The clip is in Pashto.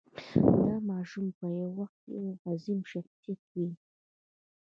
دا ماشوم به یو وخت یو عظیم شخصیت وي.